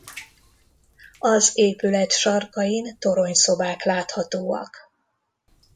Az épület sarkain toronyszobák láthatóak.